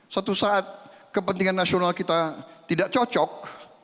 suatu saat kepentingan nasional kita tidak cocok